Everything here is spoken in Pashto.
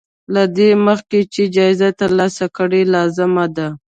له دې مخکې چې جايزه ترلاسه کړې لازمه ده.